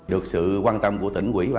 được sự quan tâm của tỉnh quỹ